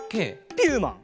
ピューマン？